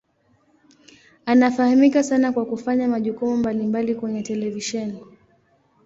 Anafahamika sana kwa kufanya majukumu mbalimbali kwenye televisheni.